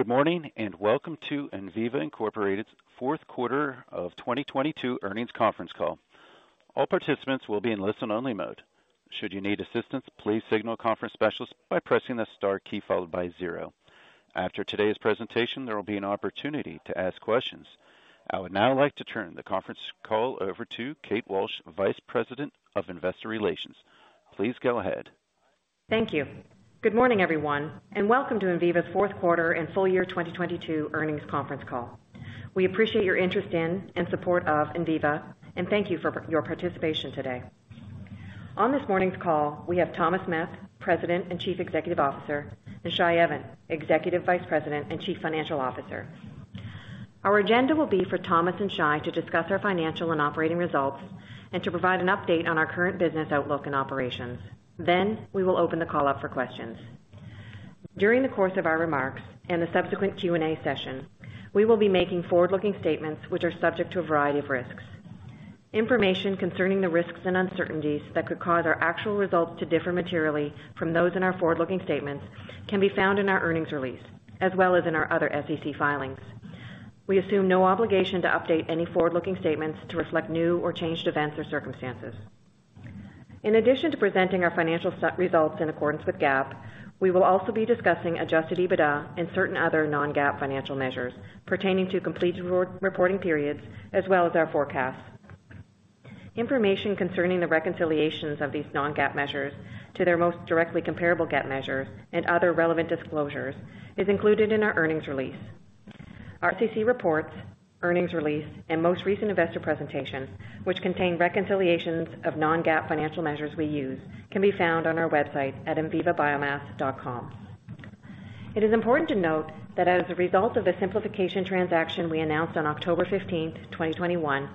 Good morning, and welcome to Enviva Inc.'s 4th quarter of 2022 earnings conference call. All participants will be in listen-only mode. Should you need assistance, please signal a conference specialist by pressing the star key followed by zero. After today's presentation, there will be an opportunity to ask questions. I would now like to turn the conference call over to Kate Walsh, Vice President of Investor Relations. Please go ahead. Thank you. Good morning, everyone, welcome to Enviva's fourth quarter and full year 2022 earnings conference call. We appreciate your interest in and support of Enviva, thank you for your participation today. On this morning's call, we have Thomas Meth, President and Chief Executive Officer, Shai Even, Executive Vice President and Chief Financial Officer. Our agenda will be for Thomas and Shai to discuss our financial and operating results and to provide an update on our current business outlook and operations. We will open the call up for questions. During the course of our remarks and the subsequent Q&A session, we will be making forward-looking statements which are subject to a variety of risks. Information concerning the risks and uncertainties that could cause our actual results to differ materially from those in our forward-looking statements can be found in our earnings release, as well as in our other SEC filings. We assume no obligation to update any forward-looking statements to reflect new or changed events or circumstances. In addition to presenting our financial results in accordance with GAAP, we will also be discussing Adjusted EBITDA and certain other non-GAAP financial measures pertaining to completed reporting periods, as well as our forecasts. Information concerning the reconciliations of these non-GAAP measures to their most directly comparable GAAP measures and other relevant disclosures is included in our earnings release. Our SEC reports, earnings release, and most recent investor presentation, which contain reconciliations of non-GAAP financial measures we use, can be found on our website at envivabiomass.com. It is important to note that as a result of the Simplification Transaction we announced on October 15, 2021,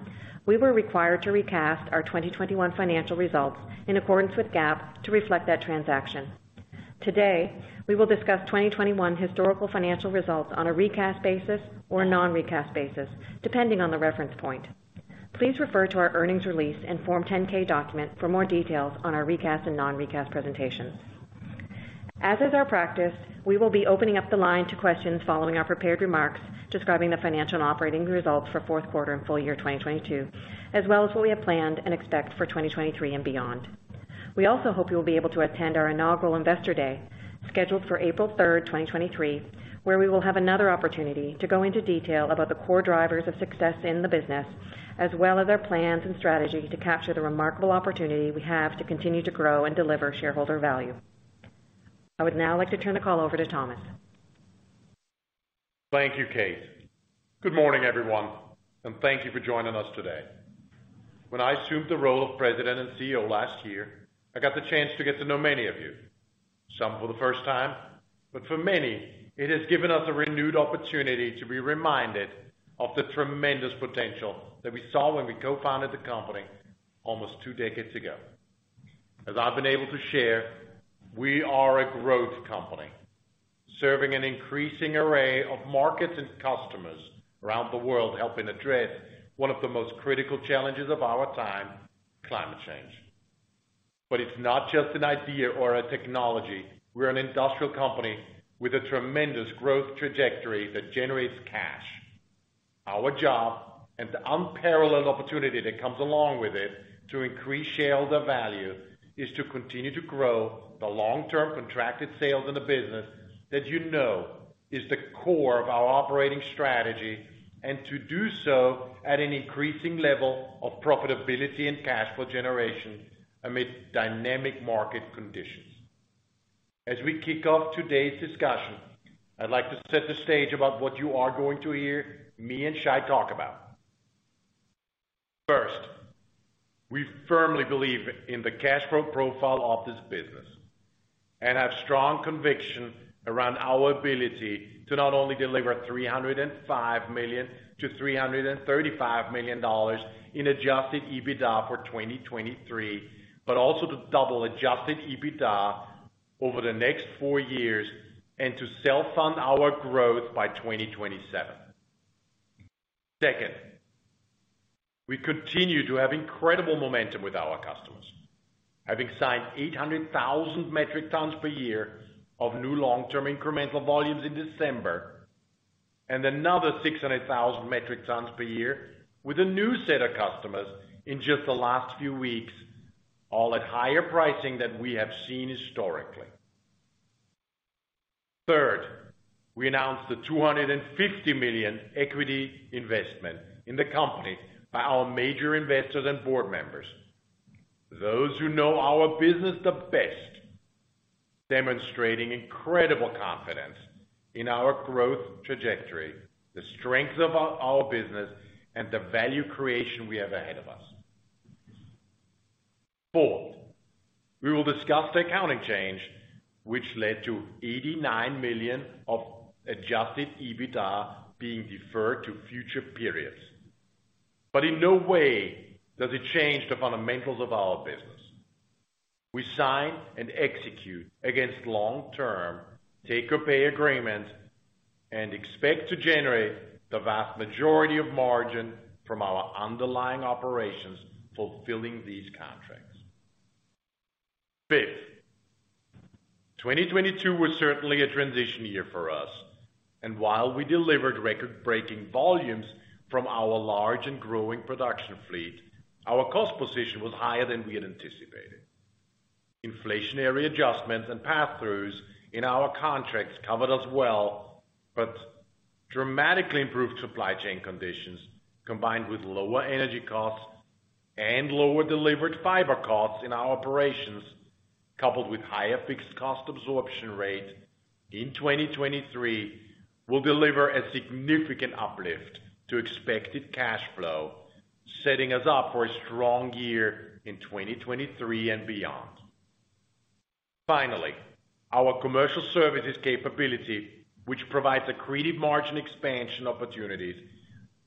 we were required to recast our 2021 financial results in accordance with GAAP to reflect that transaction. Today, we will discuss 2021 historical financial results on a recast basis or a non-recast basis, depending on the reference point. Please refer to our earnings release and Form 10-K document for more details on our recast and non-recast presentations. As is our practice, we will be opening up the line to questions following our prepared remarks describing the financial and operating results for fourth quarter and full year 2022, as well as what we have planned and expect for 2023 and beyond. We also hope you will be able to attend our inaugural Investor Day, scheduled for April 3, 2023, where we will have another opportunity to go into detail about the core drivers of success in the business, as well as our plans and strategy to capture the remarkable opportunity we have to continue to grow and deliver shareholder value. I would now like to turn the call over to Thomas. Thank you, Kate. Good morning, everyone, thank you for joining us today. When I assumed the role of President and CEO last year, I got the chance to get to know many of you. Some for the first time, for many, it has given us a renewed opportunity to be reminded of the tremendous potential that we saw when we co-founded the company almost two decades ago. As I've been able to share, we are a growth company, serving an increasing array of markets and customers around the world, helping address one of the most critical challenges of our time, climate change. It's not just an idea or a technology. We're an industrial company with a tremendous growth trajectory that generates cash. Our job, and the unparalleled opportunity that comes along with it to increase shareholder value, is to continue to grow the long-term contracted sales in the business that you know is the core of our operating strategy, and to do so at an increasing level of profitability and cash flow generation amid dynamic market conditions. As we kick off today's discussion, I'd like to set the stage about what you are going to hear me and Shai talk about. First, we firmly believe in the cash flow profile of this business and have strong conviction around our ability to not only deliver $305 million-$335 million in Adjusted EBITDA for 2023, but also to double Adjusted EBITDA over the next 4 years and to self-fund our growth by 2027. Second, we continue to have incredible momentum with our customers. Having signed 800,000 metric tons per year of new long-term incremental volumes in December, and another 600,000 metric tons per year with a new set of customers in just the last few weeks, all at higher pricing than we have seen historically. Third, we announced the $250 million equity investment in the company by our major investors and board members. Those who know our business the best, demonstrating incredible confidence in our growth trajectory, the strength of our business, and the value creation we have ahead of us. Fourth, we will discuss the accounting change which led to $89 million of Adjusted EBITDA being deferred to future periods. In no way does it change the fundamentals of our business. We sign and execute against long-term take-or-pay agreements and expect to generate the vast majority of margin from our underlying operations fulfilling these contracts. Fifth, 2022 was certainly a transition year for us, and while we delivered record-breaking volumes from our large and growing production fleet, our cost position was higher than we had anticipated. Inflationary adjustments and passthroughs in our contracts covered us well, but dramatically improved supply chain conditions, combined with lower energy costs and lower delivered fiber costs in our operations, coupled with higher fixed-cost absorption rate in 2023 will deliver a significant uplift to expected cash flow, setting us up for a strong year in 2023 and beyond. Finally, our commercial services capability, which provides accretive margin expansion opportunities,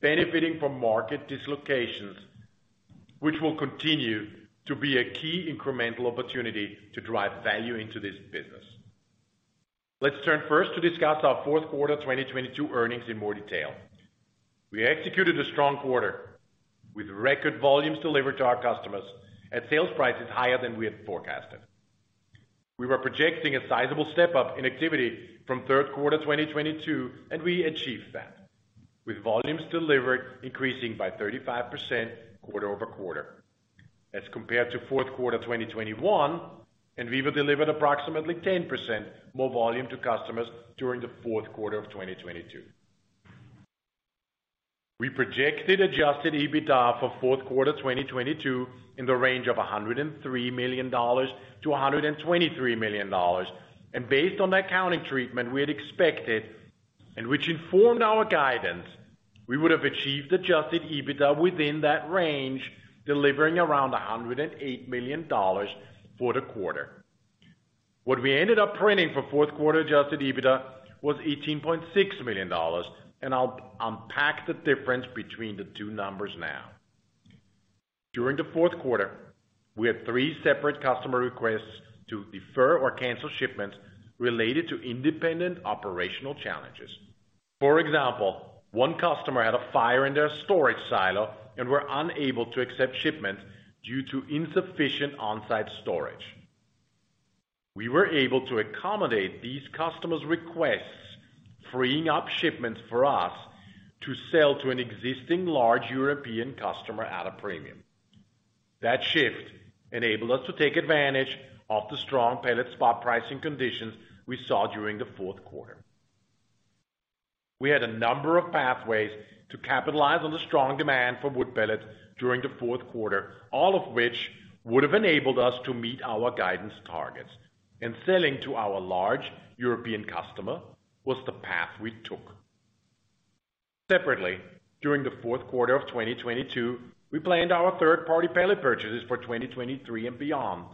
benefiting from market dislocations, which will continue to be a key incremental opportunity to drive value into this business. Let's turn first to discuss our fourth-quarter 2022 earnings in more detail. We executed a strong quarter with record volumes delivered to our customers at sales prices higher than we had forecasted. We were projecting a sizable step-up in activity from third quarter 2022, and we achieved that with volumes delivered increasing by 35% quarter-over-quarter. As compared to fourth quarter 2021, Enviva delivered approximately 10% more volume to customers during the fourth quarter of 2022. We projected Adjusted EBITDA for fourth quarter 2022 in the range of $103 million to $123 million. Based on that accounting treatment we had expected, and which informed our guidance, we would have achieved Adjusted EBITDA within that range, delivering around $108 million for the quarter. What we ended up printing for fourth quarter Adjusted EBITDA was $18.6 million. I'll unpack the difference between the two numbers now. During the fourth quarter, we had three separate customer requests to defer or cancel shipments related to independent operational challenges. For example, one customer had a fire in their storage silo and were unable to accept shipments due to insufficient on-site storage. We were able to accommodate these customers' requests, freeing up shipments for us to sell to an existing large European customer at a premium. That shift enabled us to take advantage of the strong pellet spot pricing conditions we saw during the fourth quarter. We had a number of pathways to capitalize on the strong demand for wood pellets during the fourth quarter, all of which would have enabled us to meet our guidance targets. Selling to our large European customer was the path we took. Separately, during the fourth quarter of 2022, we planned our third-party pellet purchases for 2023 and beyond.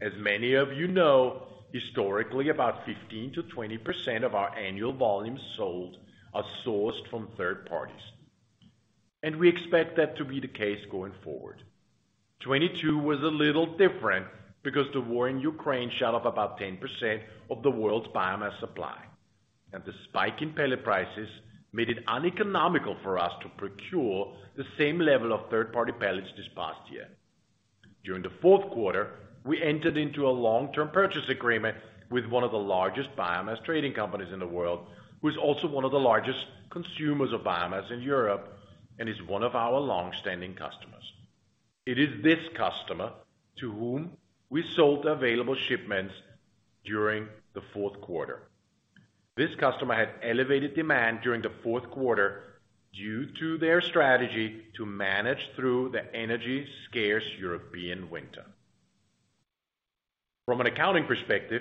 As many of you know, historically, about 15%-20% of our annual volumes sold are sourced from third parties, and we expect that to be the case going forward. 2022 was a little different because the war in Ukraine shot up about 10% of the world's biomass supply, and the spike in pellet prices made it uneconomical for us to procure the same level of third-party pellets this past year. During the fourth quarter, we entered into a long-term purchase agreement with one of the largest biomass trading companies in the world, who is also one of the largest consumers of biomass in Europe and is one of our long-standing customers. It is this customer to whom we sold available shipments during the fourth quarter. This customer had elevated demand during the fourth quarter due to their strategy to manage through the energy scarce European winter. From an accounting perspective,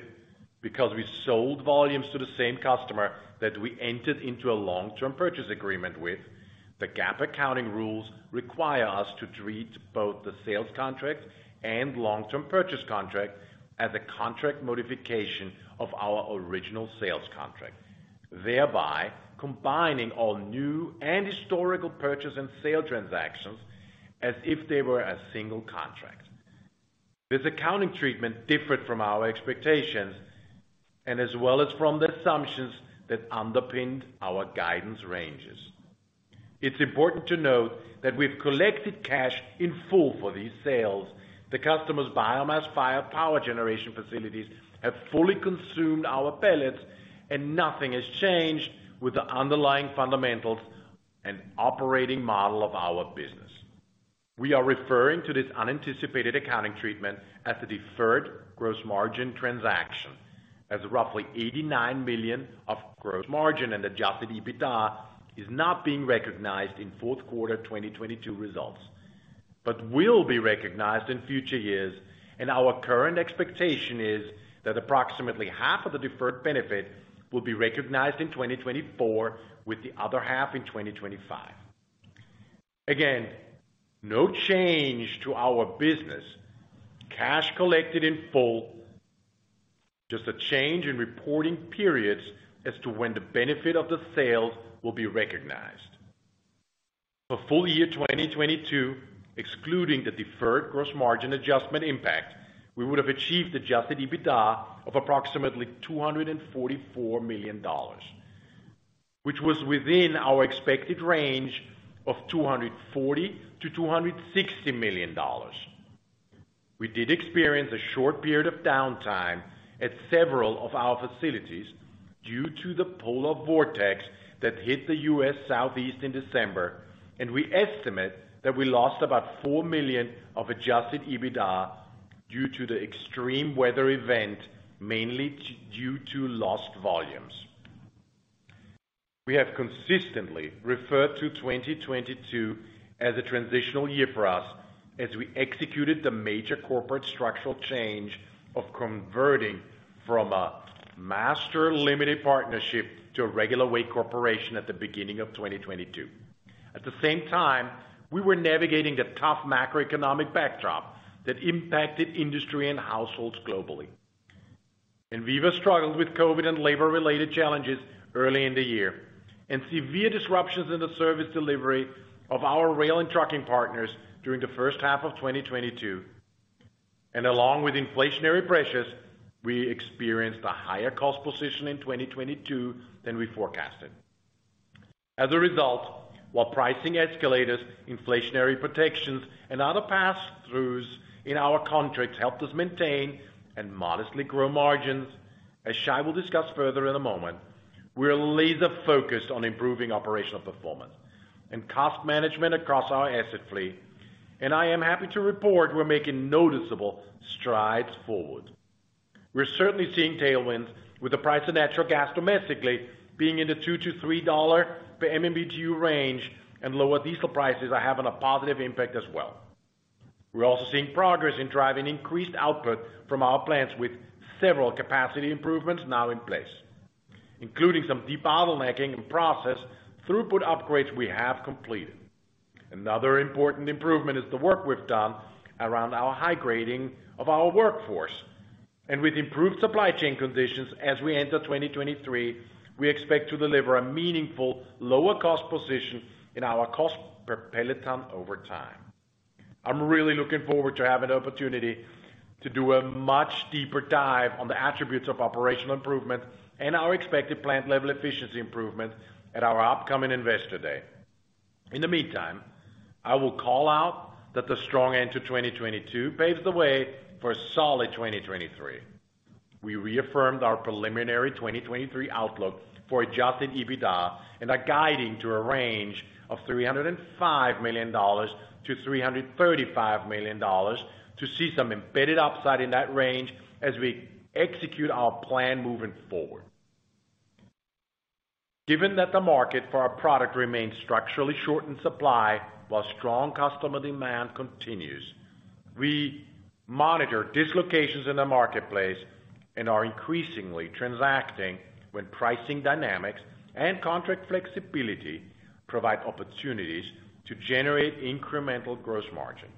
because we sold volumes to the same customer that we entered into a long-term purchase agreement with, the GAAP accounting rules require us to treat both the sales contract and long-term purchase contract as a contract modification of our original sales contract, thereby combining all new and historical purchase and sale transactions as if they were a single contract. This accounting treatment differed from our expectations and as well as from the assumptions that underpinned our guidance ranges. It's important to note that we've collected cash in full for these sales. The customer's biomass-fired power generation facilities have fully consumed our pellets and nothing has changed with the underlying fundamentals and operating model of our business. We are referring to this unanticipated accounting treatment as the Deferred Gross Margin Transaction, as roughly $89 million of gross margin and Adjusted EBITDA is not being recognized in fourth quarter 2022 results, but will be recognized in future years. Our current expectation is that approximately half of the deferred benefit will be recognized in 2024, with the other half in 2025. Again, no change to our business. Cash collected in full, just a change in reporting periods as to when the benefit of the sale will be recognized. For full year 2022, excluding the Deferred Gross Margin adjustment impact, we would have achieved Adjusted EBITDA of approximately $244 million. Which was within our expected range of $240 million-$260 million. We did experience a short period of downtime at several of our facilities due to the polar vortex that hit the U.S. Southeast in December, and we estimate that we lost about $4 million of Adjusted EBITDA due to the extreme weather event, mainly due to lost volumes. We have consistently referred to 2022 as a transitional year for us as we executed the major corporate structural change of converting from a master limited partnership to a regular way corporation at the beginning of 2022. At the same time, we were navigating a tough macroeconomic backdrop that impacted industry and households globally. Enviva struggled with COVID and labor-related challenges early in the year, and severe disruptions in the service delivery of our rail and trucking partners during the first half of 2022. Along with inflationary pressures, we experienced a higher cost position in 2022 than we forecasted. As a result, while pricing escalators, inflationary protections, and other pass-throughs in our contracts helped us maintain and modestly grow margins, as Shai will discuss further in a moment, we're laser-focused on improving operational performance and cost management across our asset fleet, and I am happy to report we're making noticeable strides forward. We're certainly seeing tailwinds with the price of natural gas domestically being in the $2-$3 per MMBtu range and lower diesel prices are having a positive impact as well. We're also seeing progress in driving increased output from our plants with several capacity improvements now in place, including some debottlenecking and process throughput upgrades we have completed. Another important improvement is the work we've done around our high-grading of our workforce. With improved supply chain conditions as we enter 2023, we expect to deliver a meaningful lower cost position in our cost per pellet ton over time. I'm really looking forward to having the opportunity to do a much deeper dive on the attributes of operational improvement and our expected plant level efficiency improvement at our upcoming Investor Day. In the meantime, I will call out that the strong end to 2022 paves the way for a solid 2023. We reaffirmed our preliminary 2023 outlook for Adjusted EBITDA and are guiding to a range of $305 million-$335 million to see some embedded upside in that range as we execute our plan moving forward. Given that the market for our product remains structurally short in supply while strong customer demand continues, we monitor dislocations in the marketplace and are increasingly transacting when pricing dynamics and contract flexibility provide opportunities to generate incremental gross margin.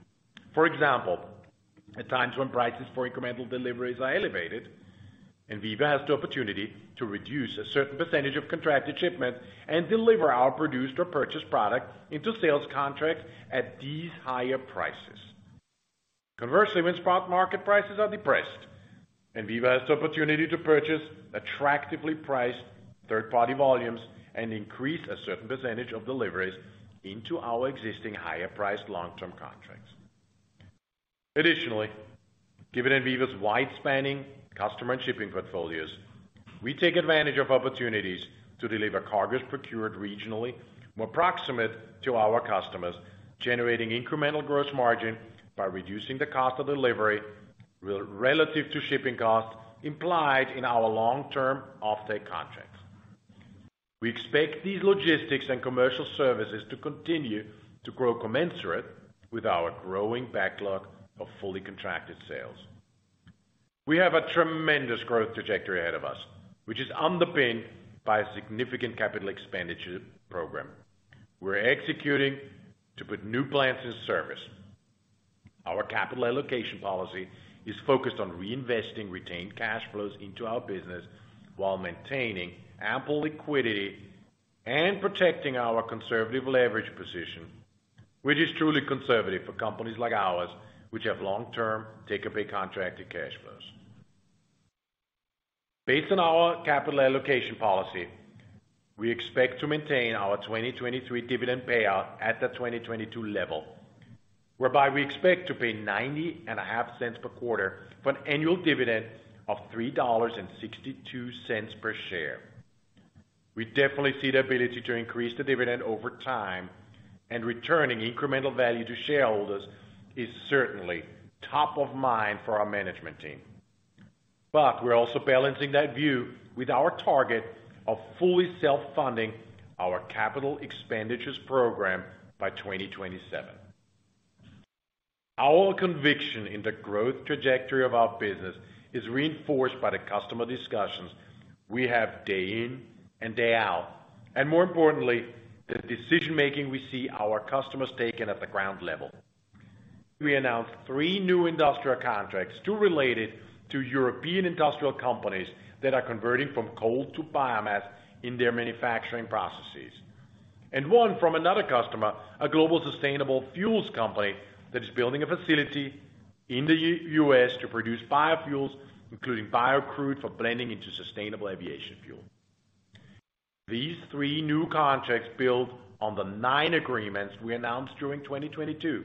For example, at times when prices for incremental deliveries are elevated, Enviva has the opportunity to reduce a certain percentage of contracted shipments and deliver our produced or purchased product into sales contracts at these higher prices. When spot market prices are depressed, Enviva has the opportunity to purchase attractively priced third-party volumes and increase a certain percentage of deliveries into our existing higher priced long-term contracts. Given Enviva's wide-spanning customer and shipping portfolios, we take advantage of opportunities to deliver cargoes procured regionally, more proximate to our customers, generating incremental gross margin by reducing the cost of delivery relative to shipping costs implied in our long-term offtake contracts. We expect these logistics and commercial services to continue to grow commensurate with our growing backlog of fully contracted sales. We have a tremendous growth trajectory ahead of us, which is underpinned by a significant capital expenditure program. We're executing to put new plants in service. Our capital allocation policy is focused on reinvesting retained cash flows into our business while maintaining ample liquidity and protecting our conservative leverage position, which is truly conservative for companies like ours, which have long-term take-or-pay contracted cash flows. Based on our capital allocation policy, we expect to maintain our 2023 dividend payout at the 2022 level, whereby we expect to pay $0.905 per quarter for an annual dividend of $3.62 per share. We definitely see the ability to increase the dividend over time, and returning incremental value to shareholders is certainly top of mind for our management team. We're also balancing that view with our target of fully self-funding our capital expenditures program by 2027. Our conviction in the growth trajectory of our business is reinforced by the customer discussions we have day in and day out. More importantly, the decision-making we see our customers taking at the ground level. We announced 3 new industrial contracts, 2 related to European industrial companies that are converting from coal to biomass in their manufacturing processes. One from another customer, a global sustainable fuels company that is building a facility in the U.S. to produce biofuels, including biocrude, for blending into sustainable aviation fuel. These 3 new contracts build on the 9 agreements we announced during 2022.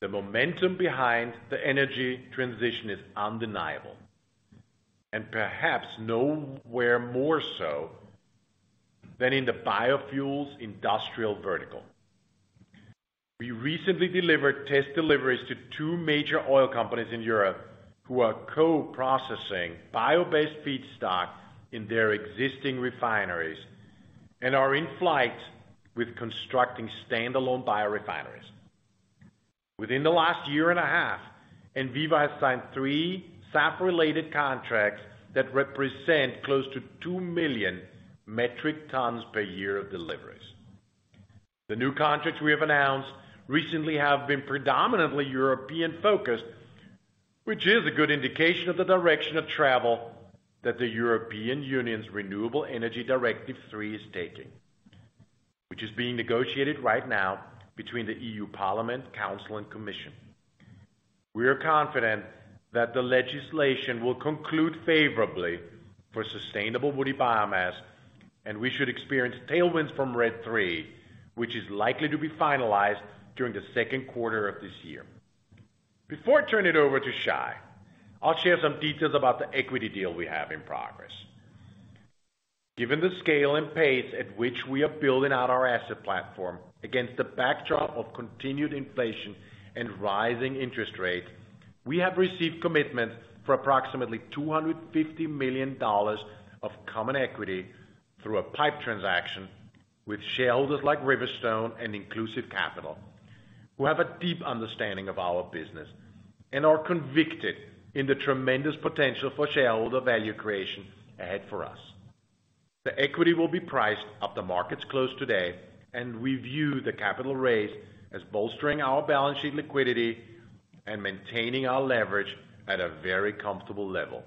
The momentum behind the energy transition is undeniable, and perhaps nowhere more so than in the biofuels industrial vertical. We recently delivered test deliveries to 2 major oil companies in Europe who are co-processing bio-based feedstock in their existing refineries and are in flight with constructing standalone biorefineries. Within the last year and a half, Enviva has signed three SAF-related contracts that represent close to 2 million metric tons per year of deliveries. The new contracts we have announced recently have been predominantly European-focused, which is a good indication of the direction of travel that the European Union's Renewable Energy Directive III is taking, which is being negotiated right now between the European Parliament, Council and Commission. We are confident that the legislation will conclude favorably for sustainable woody biomass. We should experience tailwinds from RED III, which is likely to be finalized during the second quarter of this year. Before I turn it over to Shai, I'll share some details about the equity deal we have in progress. Given the scale and pace at which we are building out our asset platform against the backdrop of continued inflation and rising interest rates, we have received commitment for approximately $250 million of common equity through a PIPE transaction with shareholders like Riverstone and Inclusive Capital, who have a deep understanding of our business and are convicted in the tremendous potential for shareholder value creation ahead for us. The equity will be priced after markets close today. We view the capital raise as bolstering our balance sheet liquidity and maintaining our leverage at a very comfortable level.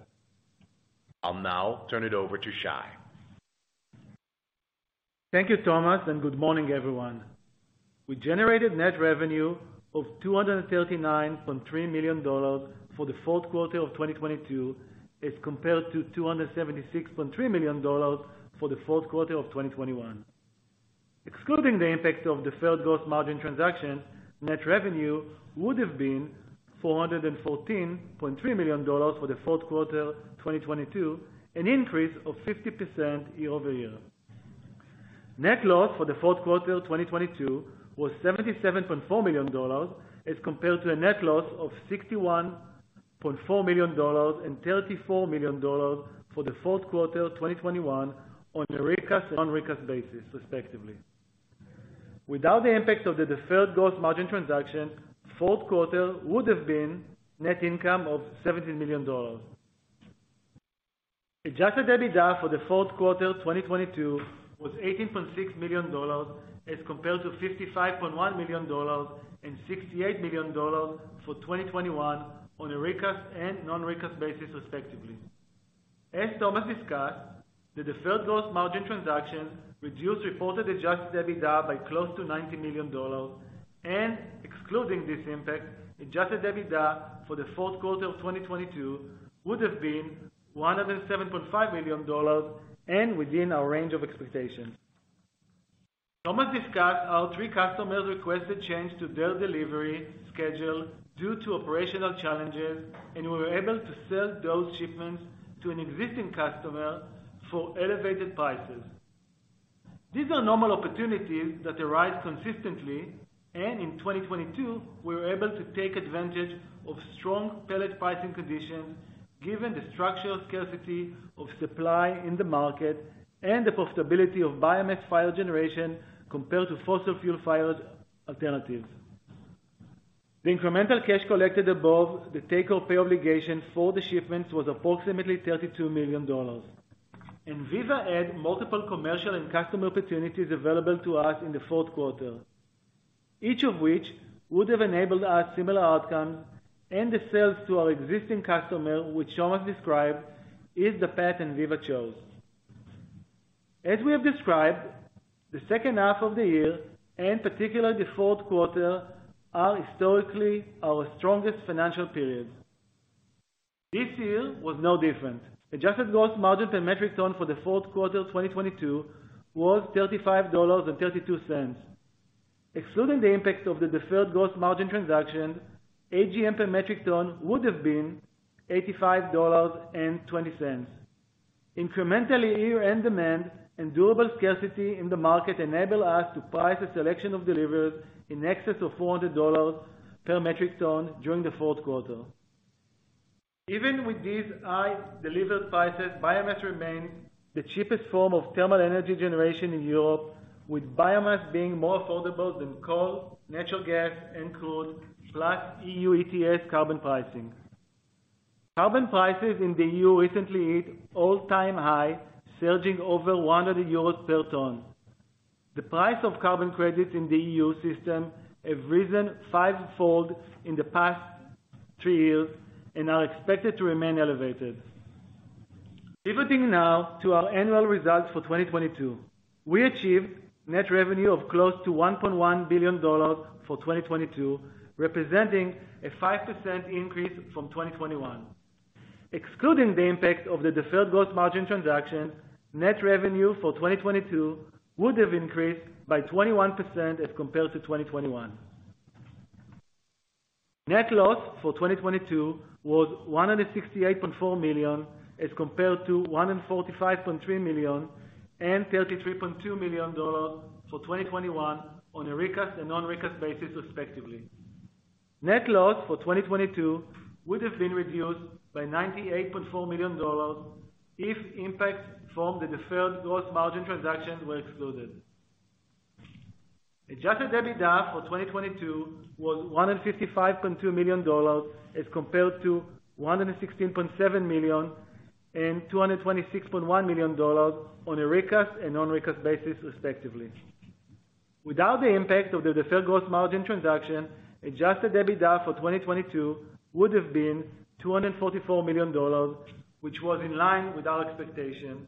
I'll now turn it over to Shai. Thank you, Thomas, and good morning, everyone. We generated net revenue of $239.3 million for the fourth quarter of 2022, as compared to $276.3 million for the fourth quarter of 2021. Excluding the impact of Deferred Gross Margin Transaction, net revenue would have been $414.3 million for the fourth quarter 2022, an increase of 50% year-over-year. Net loss for the fourth quarter of 2022 was $77.4 million, as compared to a net loss of $61.4 million and $34 million for the fourth quarter of 2021 on a recast and non-recast basis, respectively. Without the impact of the Deferred Gross Margin Transaction, fourth quarter would have been net income of $17 million. Adjusted EBITDA for the fourth quarter of 2022 was $18.6 million, as compared to $55.1 million and $68 million for 2021 on a recast and non-recast basis, respectively. As Thomas discussed, the Deferred Gross Margin Transaction reduced reported Adjusted EBITDA by close to $90 million. Excluding this impact, Adjusted EBITDA for the fourth quarter of 2022 would have been $107.5 million, and within our range of expectations. Thomas discussed how three customers requested change to their delivery schedule due to operational challenges. We were able to sell those shipments to an existing customer for elevated prices. These are normal opportunities that arise consistently, and in 2022, we were able to take advantage of strong pellet pricing conditions given the structural scarcity of supply in the market and the profitability of biomass-fired generation compared to fossil fuel-fired alternatives. The incremental cash collected above the take-or-pay obligation for the shipments was approximately $32 million. Enviva had multiple commercial and customer opportunities available to us in the fourth quarter, each of which would have enabled us similar outcomes, and the sales to our existing customer, which Thomas described, is the path Enviva chose. As we have described, the second half of the year, and particularly the fourth quarter, are historically our strongest financial periods. This year was no different. Adjusted Gross Margin per metric ton for the fourth quarter of 2022 was $35.32. Excluding the impacts of the Deferred Gross Margin Transaction, AGM per metric ton would have been $85.20. Incremental year-end demand and durable scarcity in the market enable us to price a selection of deliveries in excess of $400 per metric ton during the fourth quarter. Even with these high delivered prices, biomass remains the cheapest form of thermal energy generation in Europe, with biomass being more affordable than coal, natural gas, and crude, plus EU ETS carbon pricing. Carbon prices in the EU recently hit all-time high, surging over 100 euros per ton. The price of carbon credits in the EU system have risen five-fold in the past 3 years and are expected to remain elevated. Pivoting now to our annual results for 2022. We achieved net revenue of close to $1.1 billion for 2022, representing a 5% increase from 2021. Excluding the impact of the Deferred Gross Margin Transaction, net revenue for 2022 would have increased by 21% as compared to 2021. Net loss for 2022 was $168.4 million as compared to $145.3 million and $33.2 million for 2021 on a recast and non-recast basis, respectively. Net loss for 2022 would have been reduced by $98.4 million if impacts from the Deferred Gross Margin Transaction were excluded. Adjusted EBITDA for 2022 was $155.2 million as compared to $116.7 million and $226.1 million on a recast and non-recast basis, respectively. Without the impact of the Deferred Gross Margin Transaction, Adjusted EBITDA for 2022 would have been $244 million, which was in line with our expectations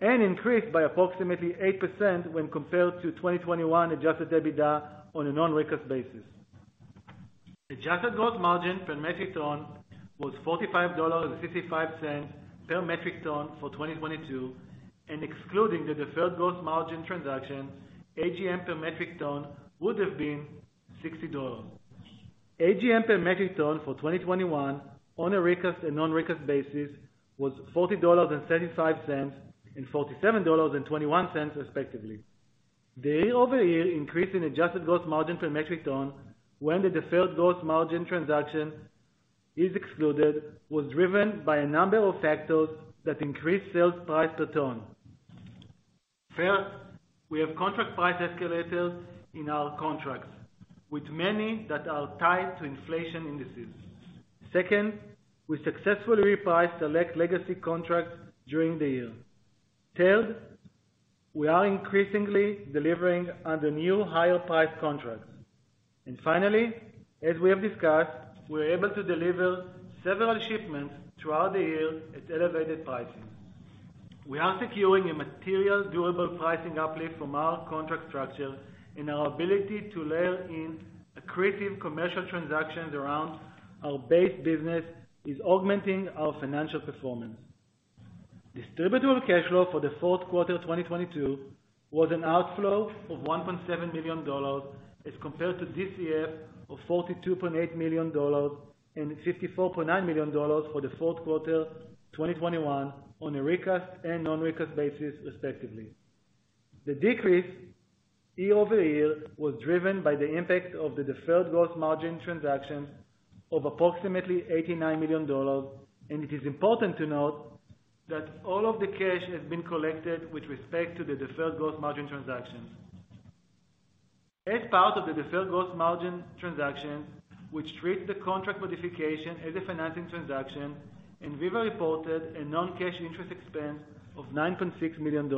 and increased by approximately 8% when compared to 2021 Adjusted EBITDA on a non-recast basis. Adjusted Gross Margin per metric ton was $45.65 per metric ton for 2022, and excluding the Deferred Gross Margin Transaction, AGM per metric ton would have been $60. AGM per metric ton for 2021 on a recast and non-recast basis was $40.35 and $47.21, respectively. The year-over-year increase in Adjusted Gross Margin per metric ton when the Deferred Gross Margin Transaction is excluded, was driven by a number of factors that increased sales price per ton. First, we have contract price escalators in our contracts, with many that are tied to inflation indices. Second, we successfully repriced select legacy contracts during the year. Third, we are increasingly delivering under new higher price contracts. Finally, as we have discussed, we were able to deliver several shipments throughout the year at elevated pricing. We are securing a material durable pricing uplift from our contract structure, and our ability to layer in accretive commercial transactions around our base business is augmenting our financial performance. Distributable Cash Flow for the fourth quarter 2022 was an outflow of $1.7 million as compared to DCF of $42.8 million and $54.9 million for the fourth quarter 2021 on a recast and non-recast basis, respectively. The decrease year-over-year was driven by the impact of the Deferred Gross Margin Transaction of approximately $89 million, and it is important to note that all of the cash has been collected with respect to the Deferred Gross Margin Transaction. As part of the Deferred Gross Margin Transaction, which treat the contract modification as a financing transaction, Enviva reported a non-cash interest expense of $9.6 million.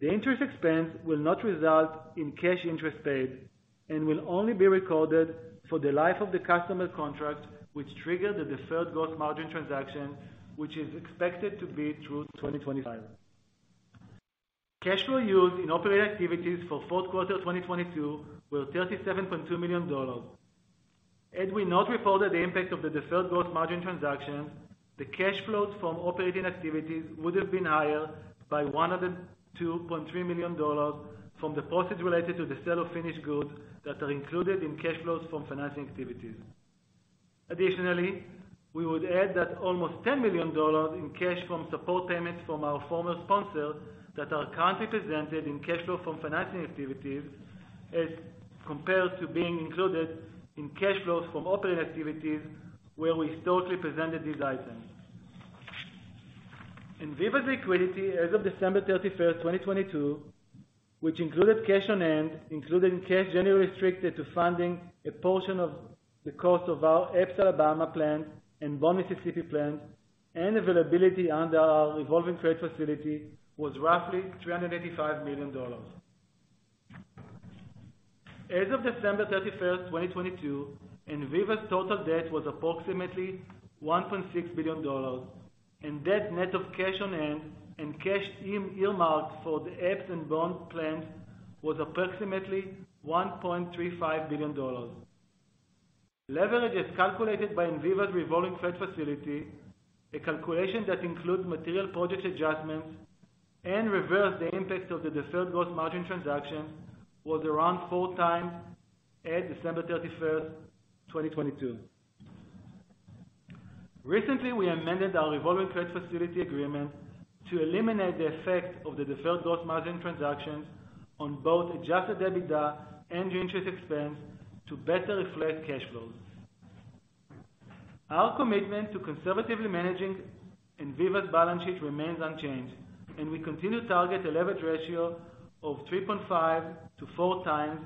The interest expense will not result in cash interest paid and will only be recorded for the life of the customer contract, which triggered the Deferred Gross Margin Transaction, which is expected to be through 2025. Cash flow used in operating activities for fourth quarter 2022 were $37.2 million. Had we not reported the impact of the Deferred Gross Margin Transaction, the cash flows from operating activities would have been higher by $102.3 million from the proceeds related to the sale of finished goods that are included in cash flows from financing activities. Additionally, we would add that almost $10 million in cash from support payments from our former sponsors that are currently presented in cash flow from financing activities as compared to being included in cash flows from operating activities, where we historically presented these items. Enviva's liquidity as of December 31st, 2022, which included cash on hand, including cash generally restricted to funding a portion of the cost of our Epes, Alabama plant and Bond, Mississippi plant and availability under our revolving credit facility, was roughly $385 million. As of December 31st, 2022, Enviva's total debt was approximately $1.6 billion, and debt net of cash on hand and cash earmarked for the Epes and Bond plants was approximately $1.35 billion. Leverage, as calculated by Enviva's revolving credit facility, a calculation that includes Material Project Adjustments and reversed the impacts of the Deferred Gross Margin Transaction, was around 4x at December 31st, 2022. Recently, we amended our revolving credit facility agreement to eliminate the effect of the Deferred Gross Margin Transactions on both Adjusted EBITDA and interest expense to better reflect cash flows. Our commitment to conservatively managing Enviva's balance sheet remains unchanged, and we continue to target a leverage ratio of 3.5x to 4x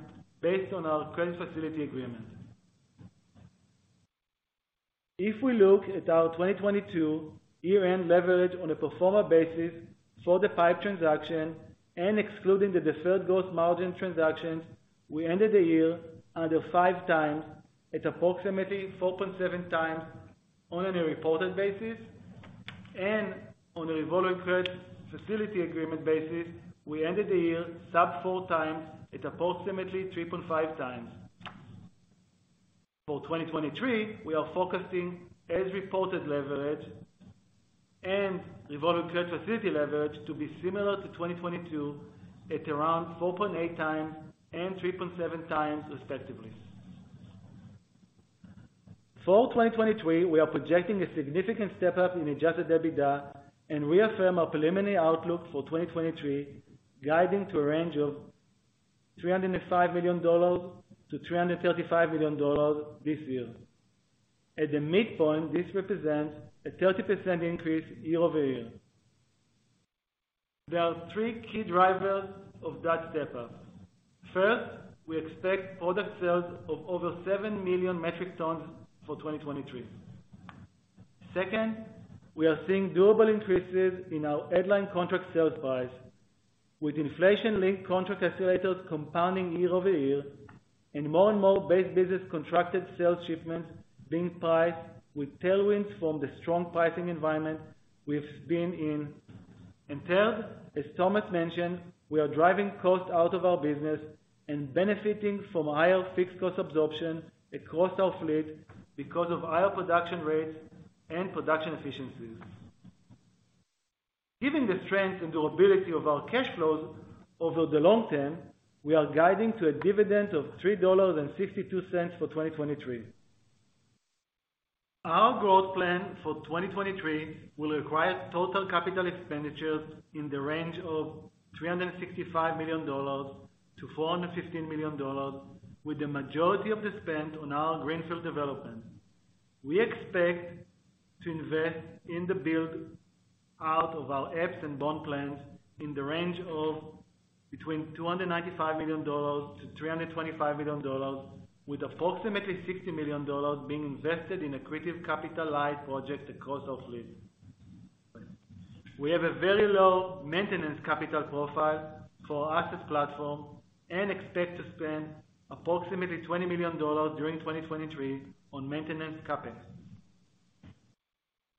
based on our credit facility agreement. If we look at our 2022 year-end leverage on a pro forma basis for the PIPE transaction and excluding the Deferred Gross Margin Transactions, we ended the year under 5x. it's approximately 4.7x on a reported basis and on a revolving credit facility agreement basis, we ended the year sub 4x at approximately 3.5x. For 2023, we are forecasting as reported leverage and revolving credit facility leverage to be similar to 2022 at around 4.8 times and 3.7x respectively. For 2023, we are projecting a significant step up in Adjusted EBITDA and reaffirm our preliminary outlook for 2023, guiding to a range of $305 million-$335 million this year. At the midpoint, this represents a 30% increase year-over-year. There are three key drivers of that step up. First, we expect product sales of over 7 million metric tons for 2023. Second, we are seeing durable increases in our headline contract sales price with inflation-linked contract accelerators compounding year-over-year and more and more base business contracted sales shipments being priced with tailwinds from the strong pricing environment we've been in. Third, as Thomas mentioned, we are driving costs out of our business and benefiting from higher fixed cost absorption across our fleet because of higher production rates and production efficiencies. Given the strength and durability of our cash flows over the long term, we are guiding to a dividend of $3.62 for 2023. Our growth plan for 2023 will require total capital expenditures in the range of $365 million-$415 million with the majority of the spend on our greenfield development. We expect to invest in the build out of our Epes and Bond plans in the range of between $295 million-$325 million with approximately $60 million being invested in accretive capitalized projects across our fleet. We have a very low maintenance capital profile for our access platform and expect to spend approximately $20 million during 2023 on maintenance CapEx.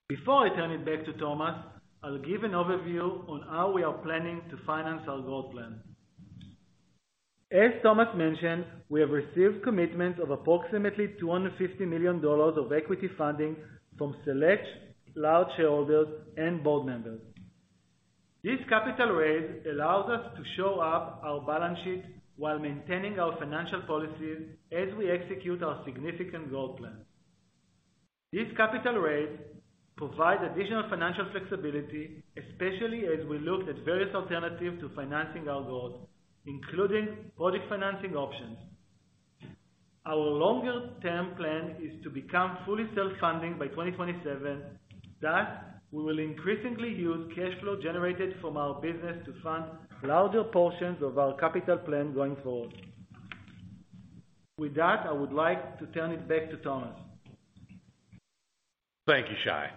Before I turn it back to Thomas, I'll give an overview on how we are planning to finance our growth plan. As Thomas mentioned, we have received commitments of approximately $250 million of equity funding from select large shareholders and board members. This capital raise allows us to shore up our balance sheet while maintaining our financial policies as we execute our significant growth plan. This capital raise provide additional financial flexibility, especially as we looked at various alternatives to financing our growth, including project financing options. Our longer-term plan is to become fully self-funding by 2027, thus, we will increasingly use cash flow generated from our business to fund larger portions of our capital plan going forward. With that, I would like to turn it back to Thomas. Thank you, Shai.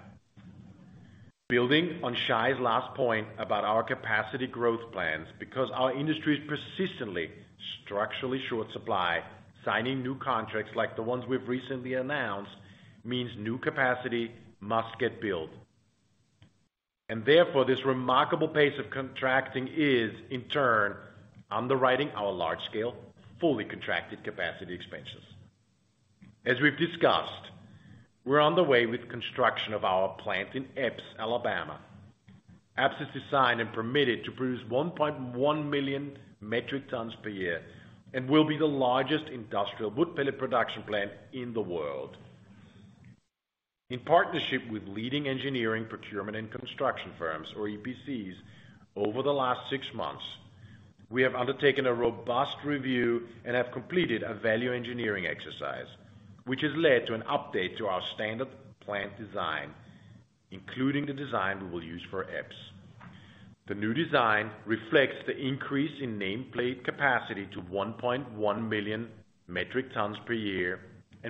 Building on Shai's last point about our capacity growth plans, because our industry is persistently structurally short supply, signing new contracts like the ones we've recently announced, means new capacity must get built. Therefore, this remarkable pace of contracting is, in turn, underwriting our large scale, fully contracted capacity expansions. As we've discussed, we're on the way with construction of our plant in Epes, Alabama. Epes is designed and permitted to produce 1.1 million metric tons per year and will be the largest industrial wood pellet production plant in the world. In partnership with leading engineering, procurement, and construction firms, or EPCs, over the last six months, we have undertaken a robust review and have completed a value engineering exercise, which has led to an update to our standard plant design, including the design we will use for Epes. The new design reflects the increase in nameplate capacity to 1.1 million metric tons per year.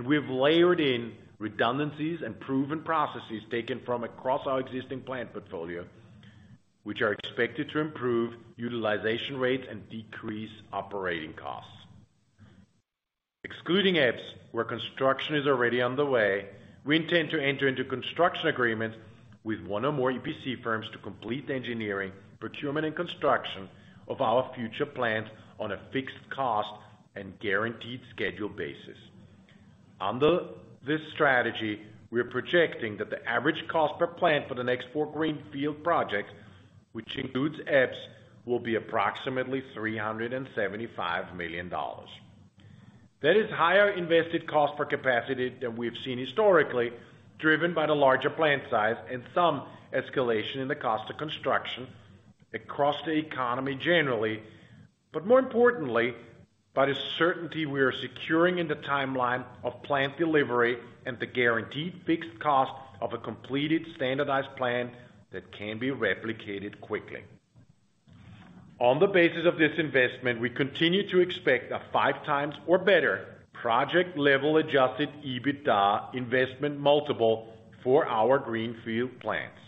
We've layered in redundancies and proven processes taken from across our existing plant portfolio, which are expected to improve utilization rates and decrease operating costs. Excluding Epes, where construction is already underway, we intend to enter into construction agreements with 1 or more EPC firms to complete the engineering, procurement, and construction of our future plants on a fixed cost and guaranteed-schedule basis. Under this strategy, we're projecting that the average cost per plant for the next 4 greenfield projects, which includes Epes, will be approximately $375 million. That is higher invested cost per capacity than we've seen historically, driven by the larger plant size and some escalation in the cost of construction across the economy generally, but more importantly, by the certainty we are securing in the timeline of plant delivery and the guaranteed fixed cost of a completed standardized plan that can be replicated quickly. On the basis of this investment, we continue to expect a 5x or better project-level Adjusted EBITDA investment multiple for our greenfield plants.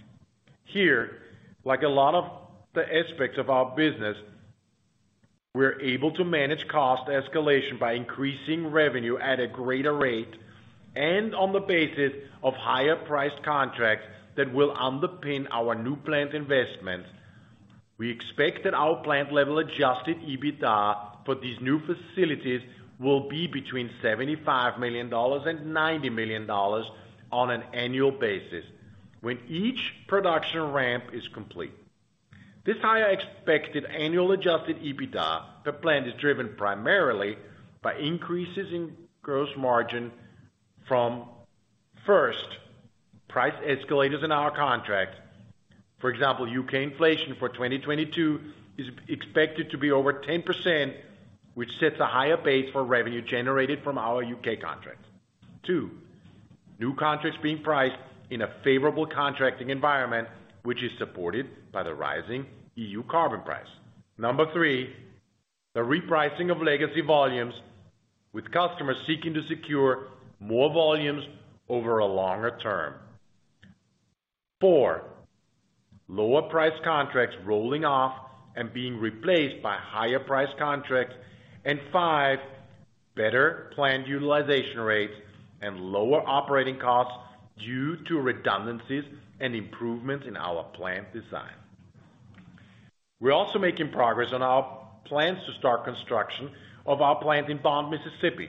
Here, like a lot of the aspects of our business. We're able to manage cost escalation by increasing revenue at a greater rate and on the basis of higher-priced contracts that will underpin our new plant investments. We expect that our plant-level Adjusted EBITDA for these new facilities will be between $75 million and $90 million on an annual basis when each production ramp is complete. This higher expected annual Adjusted EBITDA per plant is driven primarily by increases in gross margin from, first, price escalators in our contract. For example, U.K. inflation for 2022 is expected to be over 10%, which sets a higher base for revenue generated from our U.K. contract. 2. New contracts being priced in a favorable contracting environment, which is supported by the rising EU carbon price. 3. the repricing of legacy volumes, with customers seeking to secure more volumes over a longer term. 4. Lower-priced contracts rolling off and being replaced by higher price contracts. 5. better plant utilization rates and lower operating costs due to redundancies and improvements in our plant design. We're also making progress on our plans to start construction of our plant in Bond, Mississippi.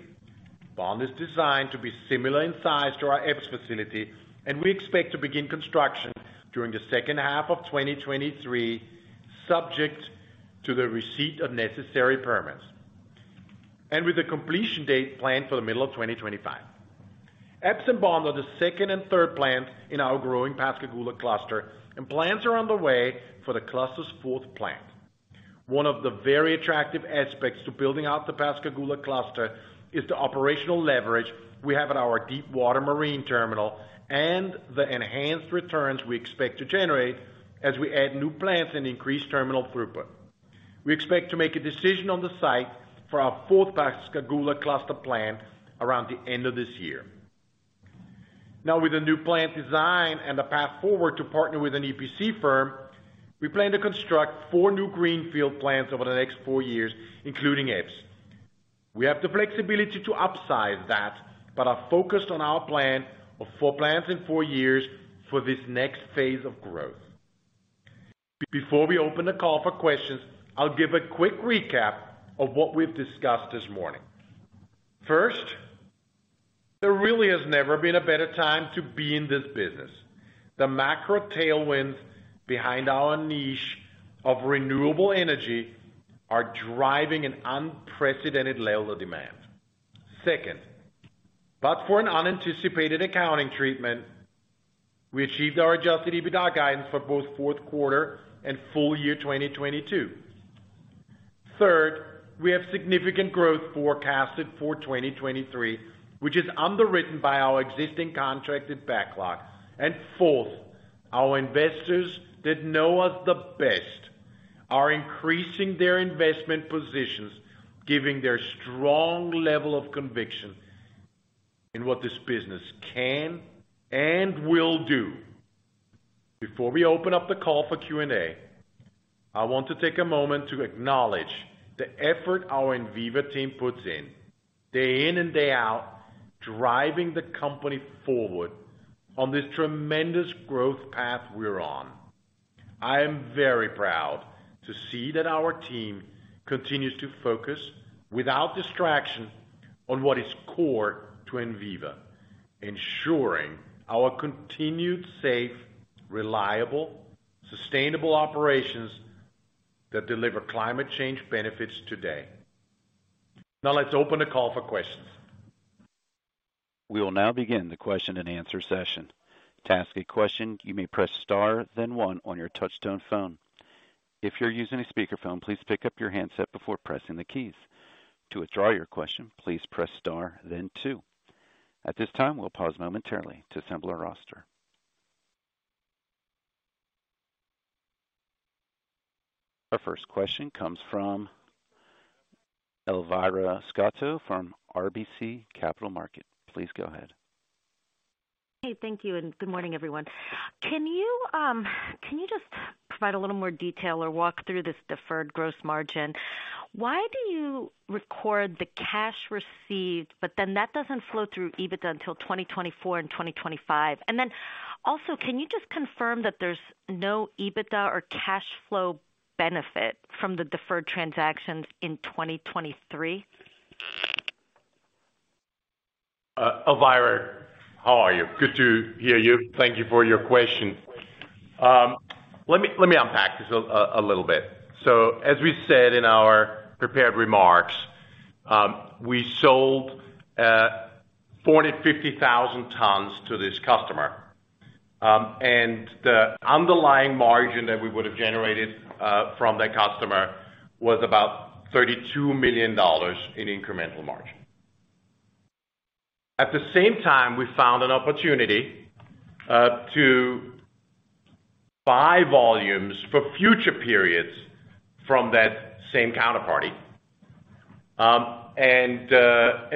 Bond is designed to be similar in size to our Epes facility, and we expect to begin construction during the second half of 2023, subject to the receipt of necessary permits, and with a completion date planned for the middle of 2025. Epes and Bond are the second and third plant in our growing Pascagoula cluster, and plants are on the way for the cluster's fourth plant. One of the very attractive aspects to building out the Pascagoula cluster is the operational leverage we have at our deep-water marine terminal and the enhanced returns we expect to generate as we add new plants and increase terminal throughput. We expect to make a decision on the site for our fourth Pascagoula cluster plant around the end of this year. With the new plant design and the path forward to partner with an EPC firm, we plan to construct 4 new greenfield plants over the next 4 years, including Epes. We have the flexibility to upsize that, but are focused on our plan of 4 plants in 4 years for this next phase of growth. Before we open the call for questions, I'll give a quick recap of what we've discussed this morning. First, there really has never been a better time to be in this business. The macro tailwinds behind our niche of renewable energy are driving an unprecedented level of demand. Second, for an unanticipated accounting treatment, we achieved our Adjusted EBITDA guidance for both fourth quarter and full year 2022. Third, we have significant growth forecasted for 2023, which is underwritten by our existing contracted backlog. Fourth, our investors that know us the best are increasing their investment positions, giving their strong level of conviction in what this business can and will do. Before we open up the call for Q&A, I want to take a moment to acknowledge the effort our Enviva team puts in day in and day out, driving the company forward on this tremendous growth path we're on. I am very proud to see that our team continues to focus, without distraction, on what is core to Enviva, ensuring our continued safe, reliable, sustainable operations that deliver climate change benefits today. Now, let's open the call for questions. We will now begin the question-and-answer session. To ask a question, you may press star then one on your touchtone phone. If you're using a speakerphone, please pick up your handset before pressing the keys. To withdraw your question, please press star then two. At this time, we'll pause momentarily to assemble our roster. Our first question comes from Elvira Scotto from RBC Capital Markets, please go ahead. Hey. Thank you. Good morning, everyone. Can you just provide a little more detail or walk through this Deferred Gross Margin? Why do you record the cash received, but then that doesn't flow through EBITDA until 2024 and 2025? Also, can you just confirm that there's no EBITDA or cash flow benefit from the deferred transactions in 2023? Elvira, how are you? Good to hear you. Thank you for your question. Let me unpack this a little bit. As we said in our prepared remarks, we sold 40,000-50,000 tons to this customer. The underlying margin that we would have generated from that customer was about $32 million in incremental margin. At the same time, we found an opportunity to buy volumes for future periods from that same counterparty.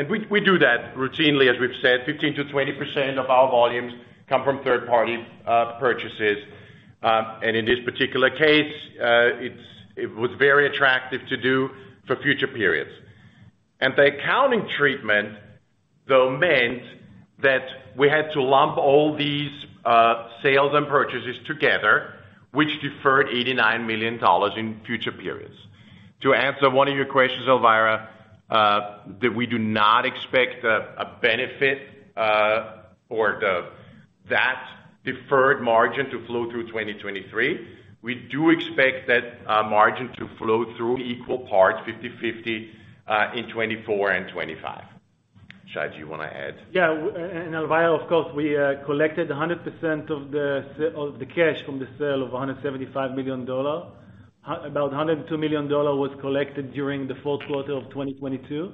We do that routinely, as we've said, 15%-20% of our volumes come from third party purchases. In this particular case, it was very attractive to do for future periods. The accounting treatment, though, meant that we had to lump all these sales and purchases together, which deferred $89 million in future periods. To answer one of your questions, Elvira, that we do not expect a benefit, or that deferred margin to flow through 2023. We do expect that margin to flow through equal parts, 50/50, in 2024 and 2025. Shai, do you wanna add? Yeah. Elvira, of course, we collected 100% of the cash from the sale of $175 million. About $102 million was collected during the fourth quarter of 2022,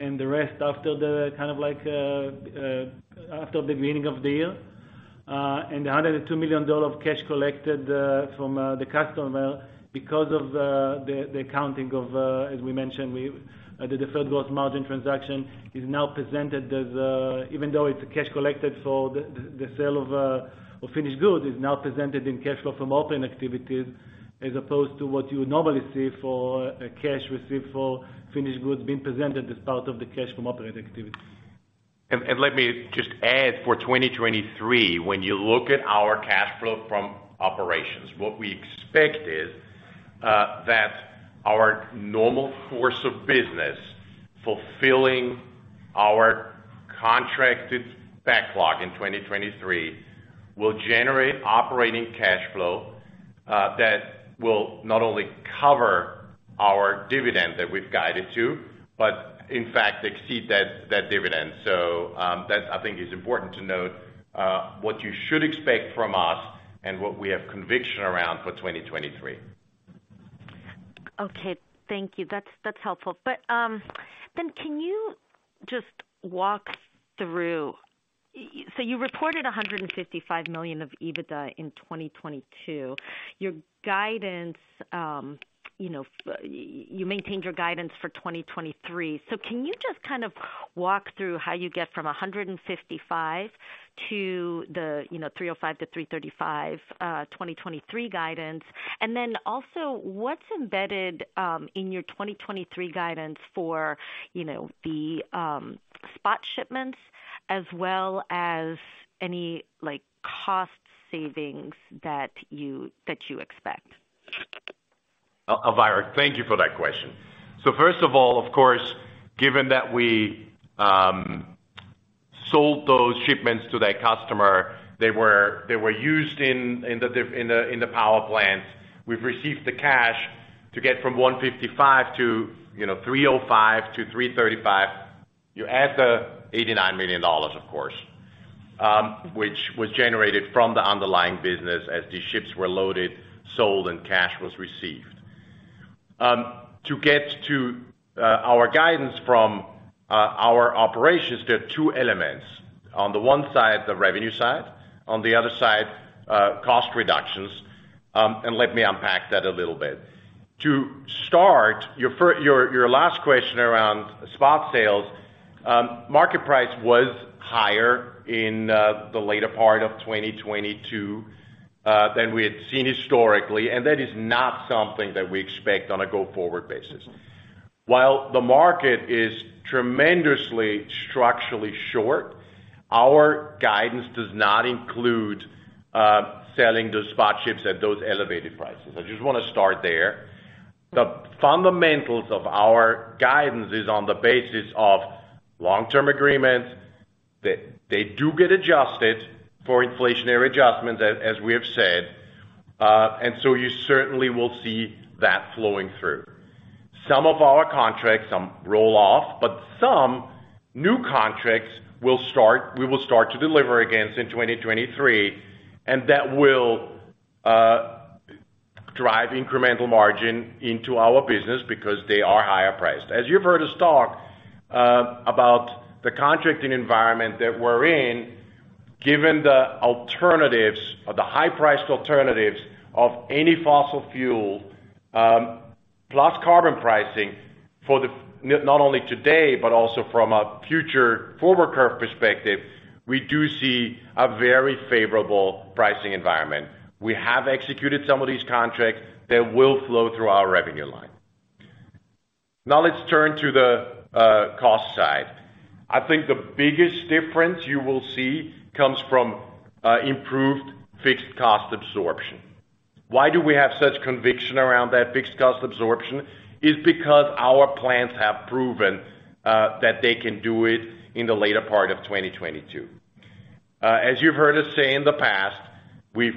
and the rest after the kind of like, after the beginning of the year. The $102 million of cash collected from the customer because of the accounting of, as we mentioned, the Deferred Gross Margin Transaction is now presented as, even though it's cash collected for the sale of finished goods, is now presented in cash flow from operating activities, as opposed to what you would normally see for a cash received for finished goods being presented as part of the cash from operating activity. Let me just add for 2023, when you look at our cash flow from operations, what we expect is that our normal course of business fulfilling our contracted backlog in 2023 will generate operating cash flow that will not only cover our dividend that we've guided to, but in fact exceed that dividend. That's, I think, is important to note what you should expect from us and what we have conviction around for 2023. Okay. Thank you. That's, that's helpful. can you just walk through... So you reported $155 million of EBITDA in 2022. Your guidance, you know, you maintained your guidance for 2023. can you just kind of walk through how you get from $155 to the, you know, $305-$335 2023 guidance? also what's embedded in your 2023 guidance for, you know, the spot shipments as well as any, like, cost savings that you expect? Elvira, thank you for that question. First of all, of course, given that we sold those shipments to that customer, they were used in the power plant. We've received the cash to get from $155 to, you know, $305 to $335. You add the $89 million, of course, which was generated from the underlying business as these ships were loaded, sold, and cash was received. To get to our guidance from our operations, there are two elements. On the one side, the revenue side, on the other side, cost reductions. Let me unpack that a little bit. To start, your last question around spot sales, market price was higher in the later part of 2022 than we had seen historically, and that is not something that we expect on a go-forward basis. While the market is tremendously structurally short, our guidance does not include selling those spot ships at those elevated prices. I just wanna start there. The fundamentals of our guidance is on the basis of long-term agreements, that they do get adjusted for inflationary adjustments, as we have said, and so you certainly will see that flowing through. Some of our contracts, some roll off, but some new contracts will start to deliver against in 2023, and that will drive incremental margin into our business because they are higher priced. As you've heard us talk about the contracting environment that we're in, given the alternatives or the high-priced alternatives of any fossil fuel, plus carbon pricing not only today but also from a future forward curve perspective, we do see a very favorable pricing environment. We have executed some of these contracts that will flow through our revenue line. Now, let's turn to the cost side. I think the biggest difference you will see comes from improved fixed cost absorption. Why do we have such conviction around that fixed cost absorption? Is because our plants have proven that they can do it in the later part of 2022. As you've heard us say in the past, we've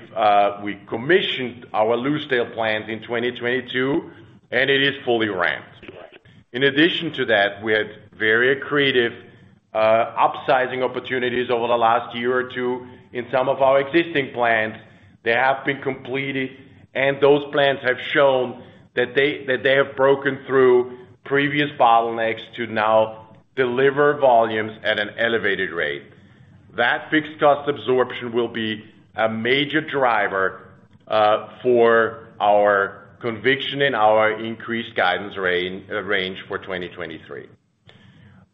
commissioned our Lucedale plant in 2022, and it is fully ramped. In addition to that, we had very accretive upsizing opportunities over the last year or two in some of our existing plants. They have been completed, and those plants have shown that they have broken through previous bottlenecks to now deliver volumes at an elevated rate. That fixed cost absorption will be a major driver for our conviction in our increased guidance range for 2023.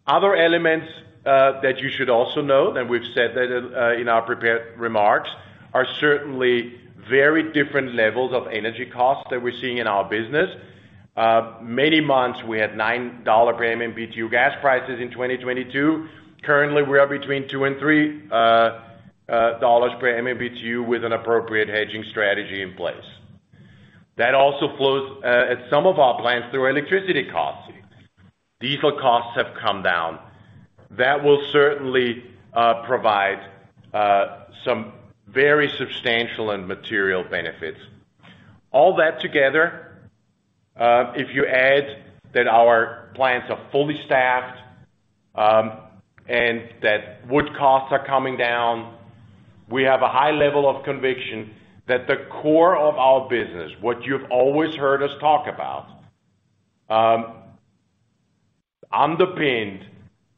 Other elements that you should also note, and we've said that in our prepared remarks, are certainly very different levels of energy costs that we're seeing in our business. Many months we had $9 per MMBtu gas prices in 2022. Currently, we are between $2 and $3 per MMBtu with an appropriate hedging strategy in place. That also flows at some of our plants through electricity costs. Diesel costs have come down. That will certainly provide some very substantial and material benefits. All that together, if you add that our plants are fully staffed, and that wood costs are coming down, we have a high level of conviction that the core of our business, what you've always heard us talk about, underpinned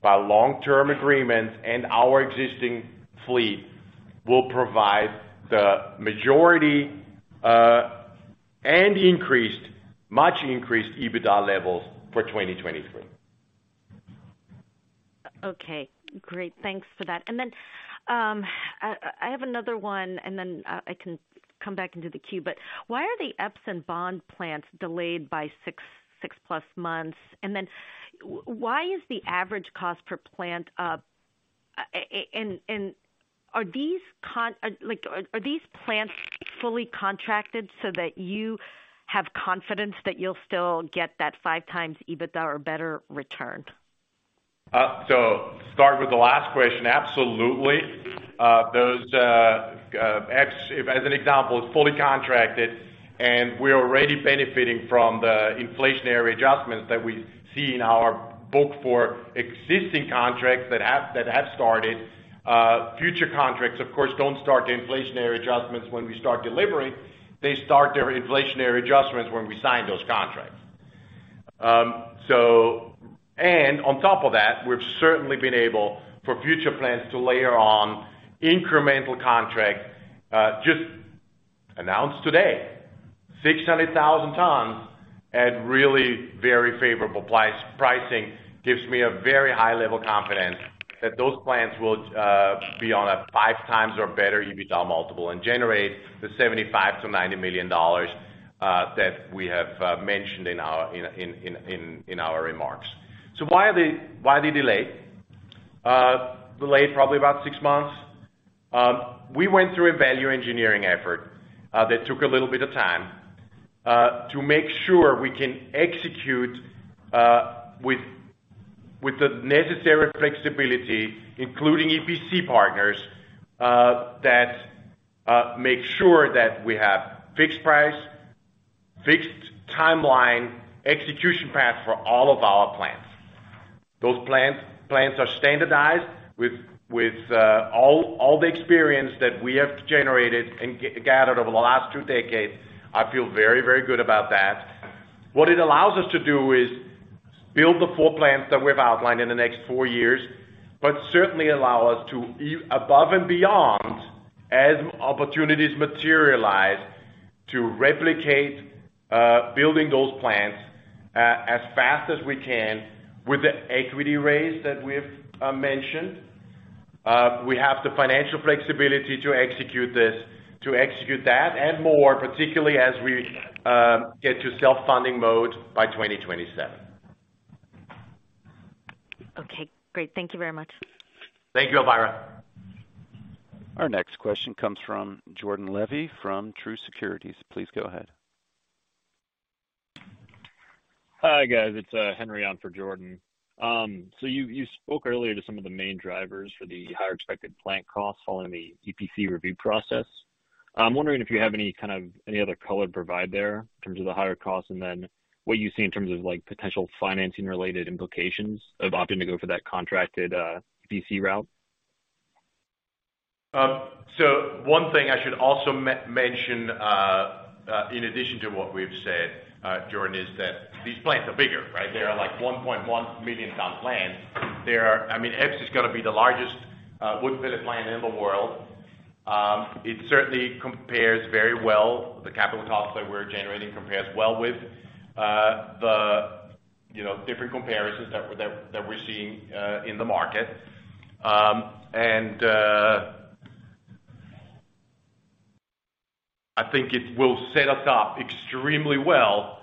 by long-term agreements and our existing fleet, will provide the majority, and increased, much increased EBITDA levels for 2023. Okay, great. Thanks for that. I have another one. I can come back into the queue, but why are the Epes and Bond plants delayed by 6-plus months? Why is the average cost per plant, and are these plants fully contracted so that you have confidence that you'll still get that 5x EBITDA or better return? Start with the last question. Absolutely. Those, as an example, is fully contracted, and we're already benefiting from the inflationary adjustments that we see in our book for existing contracts that have started. Future contracts, of course, don't start the inflationary adjustments when we start delivering. They start their inflationary adjustments when we sign those contracts. On top of that, we've certainly been able, for future plans, to layer on incremental contracts, just announced today, 600,000 tons at really very favorable price. Pricing gives me a very high level confidence that those plants will be on a 5x or better EBITDA multiple and generate the $75 million-$90 million, that we have mentioned in our remarks. Why the delay? Delayed probably about 6 months. We went through a value engineering effort that took a little bit of time to make sure we can execute with the necessary flexibility, including EPC partners that make sure that we have fixed price, fixed timeline, execution paths for all of our plants. Those plants are standardized with all the experience that we have generated and gathered over the last 2 decades. I feel very, very good about that. What it allows us to do is build the 4 plants that we've outlined in the next 4 years, but certainly allow us to above and beyond as opportunities materialize to replicate building those plants as fast as we can with the equity raise that we've mentioned. We have the financial flexibility to execute this, to execute that and more particularly as we get to self-funding mode by 2027. Okay, great. Thank you very much. Thank you, Elvira. Our next question comes from Jordan Levy from Truist Securities. Please go ahead. Hi, guys. It's Henry on for Jordan. You spoke earlier to some of the main drivers for the higher expected plant costs following the EPC review process. I'm wondering if you have any kind of any other color provide there in terms of the higher costs, and then what you see in terms of, like, potential financing related implications of opting to go for that contracted, DCF route. One thing I should also mention, in addition to what we've said, Jordan, is that these plants are bigger, right? They are like 1.1 million ton plants. I mean, Epes is gonna be the largest wood pellet plant in the world. It certainly compares very well. The capital costs that we're generating compares well with the, you know, different comparisons that we're seeing in the market. I think it will set us up extremely well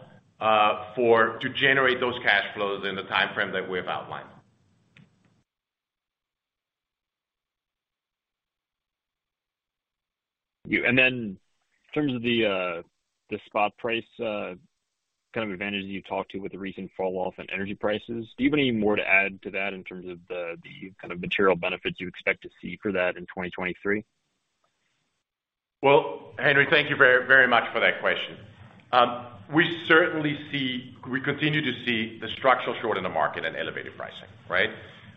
for to generate those cash flows in the timeframe that we have outlined. Then in terms of the spot price, kind of advantage you talked to with the recent fall off in energy prices, do you have any more to add to that in terms of the kind of material benefits you expect to see for that in 2023? Well, Henry, thank you very, very much for that question. We continue to see the structural short in the market and elevated pricing, right?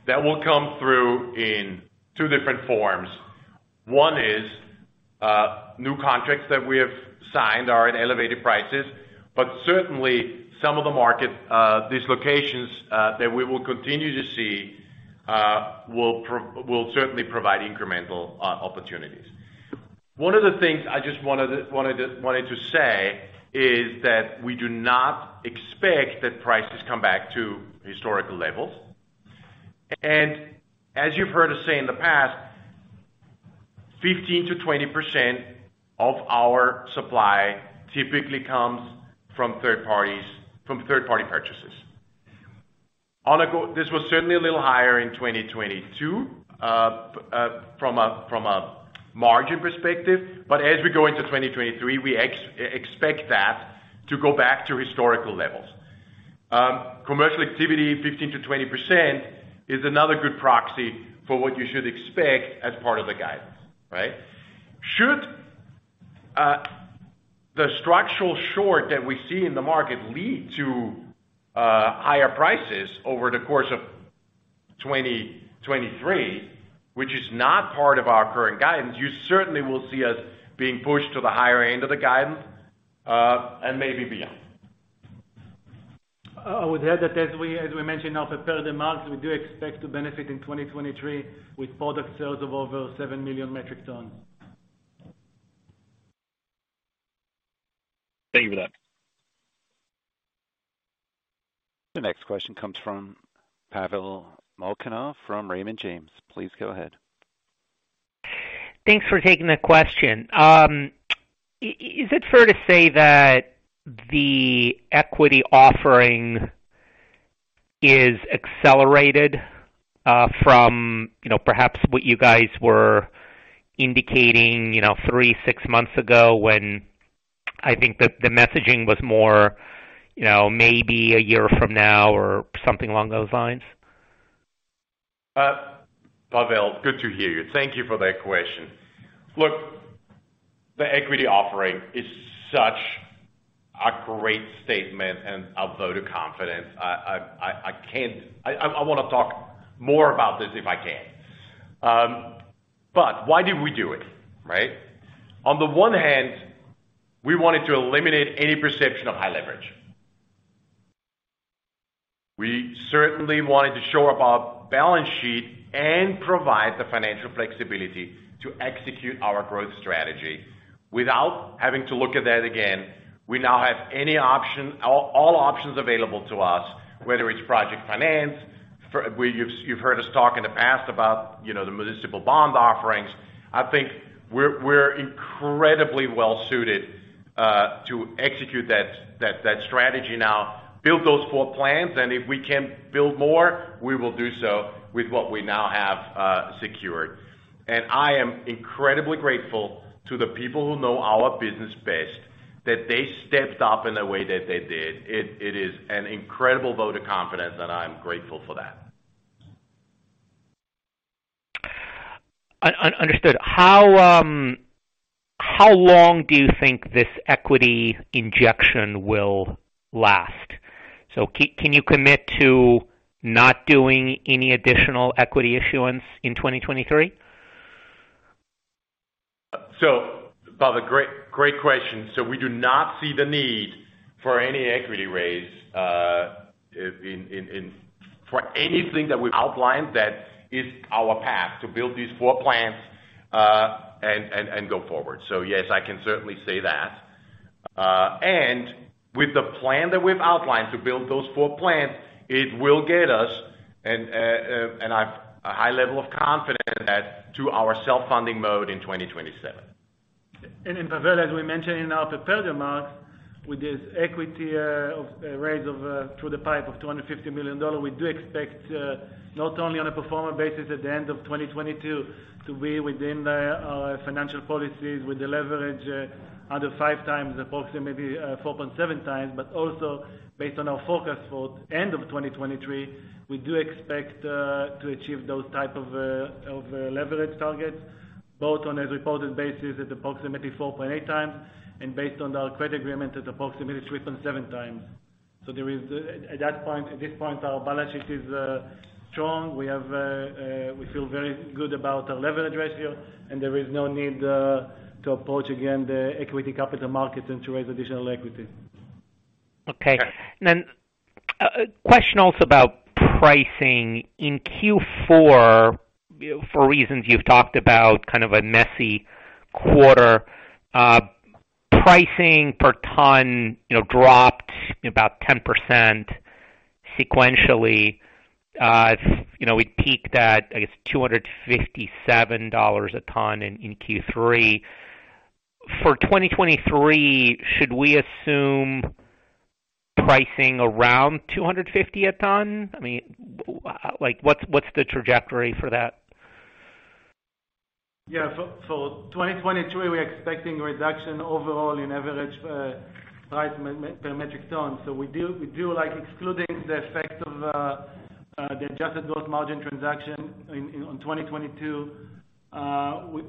That will come through in two different forms. One is, new contracts that we have signed are at elevated prices, but certainly some of the market dislocations that we will continue to see will certainly provide incremental opportunities. One of the things I just wanted to say is that we do not expect that prices come back to historical levels. As you've heard us say in the past, 15%-20% of our supply typically comes from third parties, from third-party purchases. This was certainly a little higher in 2022 from a margin perspective. As we go into 2023, we expect that to go back to historical levels. Commercial activity, 15%-20% is another good proxy for what you should expect as part of the guidance, right? Should the structural short that we see in the market lead to higher prices over the course of 2023, which is not part of our current guidance, you certainly will see us being pushed to the higher end of the guidance and maybe beyond. I would add that as we mentioned in our prepared remarks, we do expect to benefit in 2023 with product sales of over 7 million metric tons. Thank you for that. The next question comes from Pavel Molchanov from Raymond James. Please go ahead. Thanks for taking the question. Is it fair to say that the equity offering is accelerated from, you know, perhaps what you guys were indicating, you know, three, six months ago when I think the messaging was more, you know, maybe one year from now or something along those lines? Pavel, good to hear you. Thank you for that question. Look, the equity offering is such a great statement and a vote of confidence. I wanna talk more about this if I can. Why did we do it, right? On the one hand, we wanted to eliminate any perception of high leverage. We certainly wanted to shore up our balance sheet and provide the financial flexibility to execute our growth strategy without having to look at that again. We now have all options available to us, whether it's project finance, where you've heard us talk in the past about, you know, the municipal bond offerings. I think we're incredibly well suited to execute that strategy now, build those four plants, and if we can build more, we will do so with what we now have secured. I am incredibly grateful to the people who know our business best, that they stepped up in the way that they did. It is an incredible vote of confidence, and I'm grateful for that. Understood. How long do you think this equity injection will last? Can you commit to not doing any additional equity issuance in 2023? Pavel, great question. We do not see the need for any equity raise for anything that we've outlined, that is our path, to build these 4 plants and go forward. Yes, I can certainly say that. With the plan that we've outlined to build those 4 plants, it will get us, and I've a high level of confidence in that, to our self-funding mode in 2027. Pavel, as we mentioned in our prepared remarks, with this equity raise through the PIPE of $250 million, we do expect not only on a pro forma basis at the end of 2022 to be within the financial policies with the leverage under 5x, approximately 4.7x, but also based on our forecast for end of 2023, we do expect to achieve those type of leverage targets, both on as reported basis at approximately 4.8 times, and based on our credit agreement at approximately 3.7x. At that point, at this point, our balance sheet is strong. We feel very good about our leverage ratio. There is no need to approach again the equity capital markets and to raise additional equity. Okay. A question also about pricing. In Q4, for reasons you've talked about, kind of a messy quarter, pricing per ton, you know, dropped about 10% sequentially. You know, we peaked at, I guess, $257 a ton in Q3. For 2023, should we assume pricing around $250 a ton? I mean, like, what's the trajectory for that? Yeah. For 2023, we're expecting reduction overall in average price metric ton. We do, like, excluding the effect of the Adjusted Gross Margin transaction on 2022,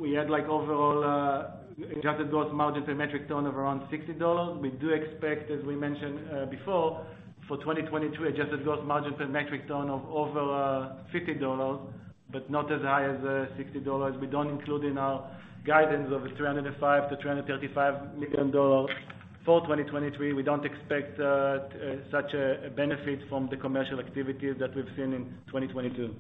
we had, like, overall Adjusted Gross Margin per metric ton of around $60. We do expect, as we mentioned before, for 2023, Adjusted Gross Margin per metric ton of over $50, but not as high as $60. We don't include in our guidance of $305 million-$335 million. For 2023, we don't expect such a benefit from the commercial activity that we've seen in 2022.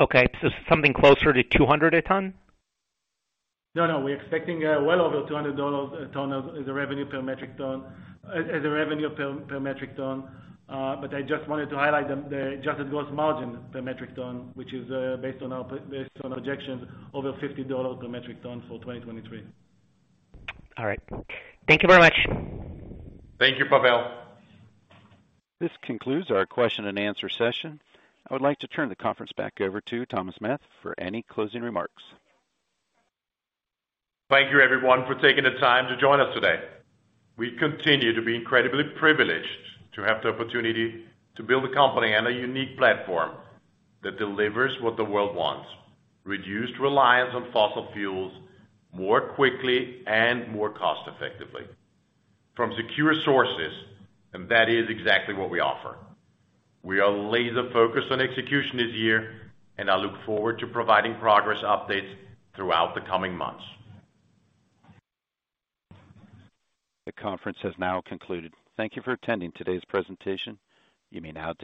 Okay. something closer to $200 a ton? No, no. We're expecting, well over $200 a ton of the revenue per metric ton, as a revenue per metric ton. I just wanted to highlight the Adjusted Gross Margin per metric ton, which is based on our projections over $50 per metric ton for 2023. All right. Thank you very much. Thank you, Pavel. This concludes our question and answer session. I would like to turn the conference back over to Thomas Meth for any closing remarks. Thank you everyone for taking the time to join us today. We continue to be incredibly privileged to have the opportunity to build a company and a unique platform that delivers what the world wants: reduced reliance on fossil fuels more quickly and more cost effectively from secure sources. That is exactly what we offer. We are laser focused on execution this year. I look forward to providing progress updates throughout the coming months. The conference has now concluded. Thank You for attending today's presentation. You may now disconnect.